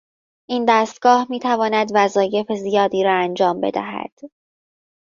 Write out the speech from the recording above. این دستگاه میتواند وظایف زیادی را انجام بدهد.